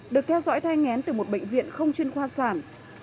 được theo dõi thay ngén từ một bệnh viện không chuyên khoa sản